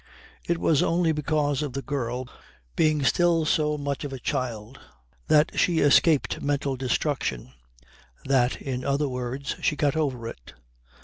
It was only because of the girl being still so much of a child that she escaped mental destruction; that, in other words she got over it.